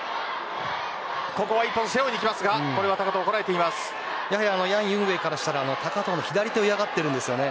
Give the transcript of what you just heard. ここは、一本背負にいきますがヤン・ユンウェイからしたら高藤の左手を嫌がっています。